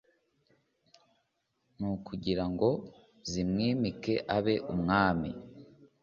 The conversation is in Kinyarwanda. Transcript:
N’ ukugira ngo zimwimike abe umwami